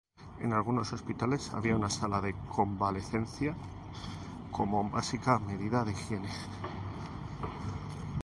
En algunos hospitales había una sala de convalecencia, como básica medida de higiene.